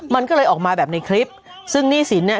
มันก็เลยออกมาแบบในคลิปซึ่งหนี้สินเนี่ย